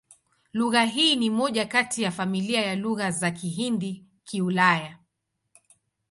Lugha hii ni moja kati ya familia ya Lugha za Kihindi-Kiulaya.